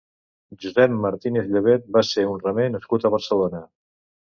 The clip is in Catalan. Josep Martínez Llobet va ser un remer nascut a Barcelona.